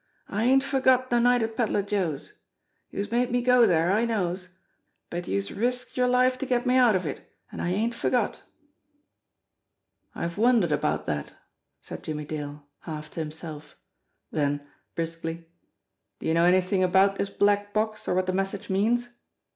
I ain't forgot fe night at Pedler Joe's. Youse made me go dere, I knows; 234 JIMMIE DALE AND THE PHANTOM CLUE but youse risked yer life to get me out of it, an' I ain't forgot." "I've wondered about that," said Jimmie Dale, half to himself ; then, briskly : "Do you know anything about this black box or what the message means